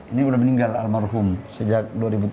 ini sudah meninggal almarhum sejak dua ribu tiga